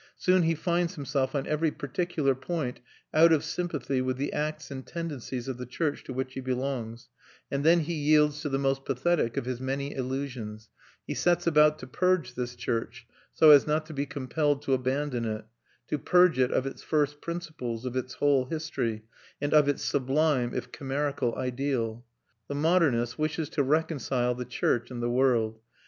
Soon he finds himself, on every particular point, out of sympathy with the acts and tendencies of the church to which he belongs; and then he yields to the most pathetic of his many illusions he sets about to purge this church, so as not to be compelled to abandon it; to purge it of its first principles, of its whole history, and of its sublime if chimerical ideal. The modernist wishes to reconcile the church and the world.